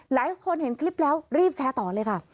หลายคนเห็นคลิปแล้วรีบแชร์ต่อเลยค่ะ